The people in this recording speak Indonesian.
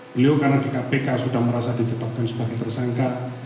beliau karena di kpk sudah merasa ditetapkan sebagai tersangka